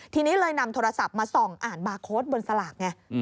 ทีนี้เลยนำโทรศัพท์มาส่องอ่านบาร์โค้ดบนสลากไง